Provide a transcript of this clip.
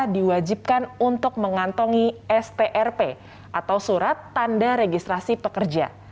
diwajibkan untuk mengantongi strp atau surat tanda registrasi pekerja